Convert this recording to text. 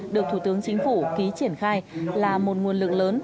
được thủ tướng chính phủ ký triển khai là một nguồn lực lớn